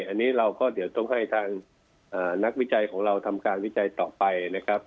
อันนี้เราก็เดี๋ยวต้องให้ทางนักวิจัยของเราทำการวิจัยต่อไปนะครับ